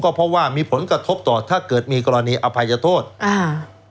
เพราะว่ามีผลกระทบต่อถ้าเกิดมีกรณีอภัยโทษอ่า